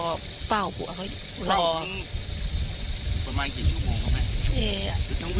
นี่ประมาณสามจาชุมองเอ้ง